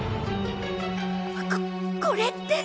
ここれって。